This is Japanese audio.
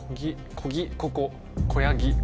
「こぎここ」